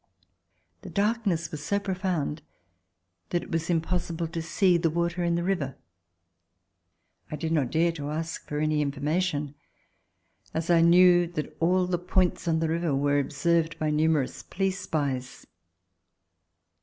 The darkness was so profound that it was impossible to see the water in the river. I did not dare to ask for any information, as I knew that all the points on the river were observed by numerous police spies.